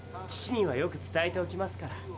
父にはよく伝えておきますから。